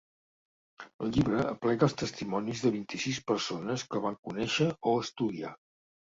El llibre aplega els testimonis de vint-i-sis persones que el van conèixer o estudiar.